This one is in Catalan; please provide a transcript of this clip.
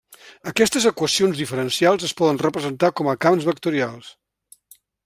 Aquestes equacions diferencials es poden representar com a camps vectorials.